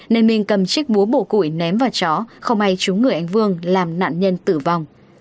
nên minh cầm chiếc búa bổ củi ném vào chó không hay chúng người anh vương làm nạn nhân tử vong